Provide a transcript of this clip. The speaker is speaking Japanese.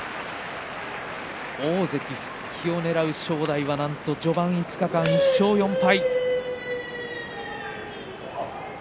大関復帰をねらう正代はなんと序盤５日間、１勝４敗。